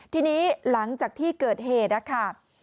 ทีนี้หลังจากที่เกิดเหตุนะคะ